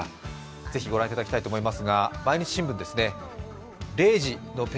ぜひご覧いただきたいと思います。